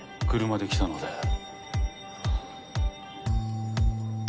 車で来たので。